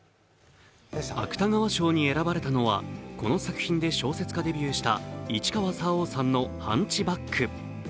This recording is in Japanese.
芥川賞に選ばれたのはこの作品で小説家デビューした市川沙央さんの「ハンチバック」。